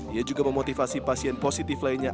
ia juga memotivasi pasien positif lainnya